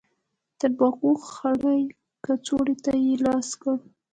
د تنباکو خړې کڅوړې ته يې لاس کړ.